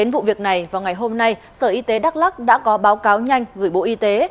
vụ việc này vào ngày hôm nay sở y tế đắk lắc đã có báo cáo nhanh gửi bộ y tế